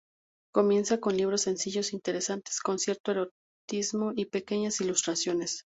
Comienza con libros sencillos, interesantes, con cierto erotismo y pequeñas ilustraciones.